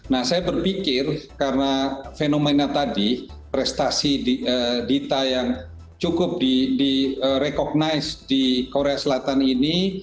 nah saya berpikir karena fenomena tadi prestasi dita yang cukup di recognize di korea selatan ini